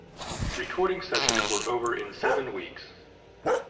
Recording sessions were over in seven weeks.